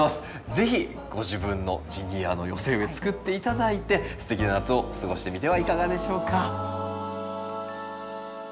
是非ご自分のジニアの寄せ植え作って頂いてすてきな夏を過ごしてみてはいかがでしょうか。